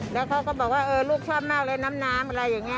แล้วเขาก็บอกว่าเออลูกชอบมากเลยน้ำอะไรอย่างนี้